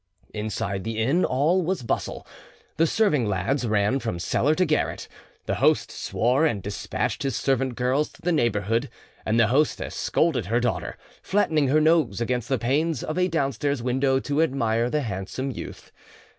Inside the inn all was bustle: the serving lads ran from cellar to garret; the host swore and despatched his servant girls to the neighbours, and the hostess scolded her daughter, flattening her nose against the panes of a downstairs window to admire the handsome youth.